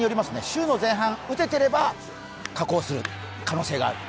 週の前半打ててれば下降する可能性がある。